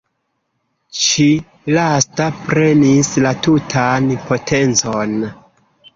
Ĉi lasta prenis la tutan potencon.